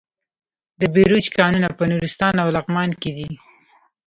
د بیروج کانونه په نورستان او لغمان کې دي.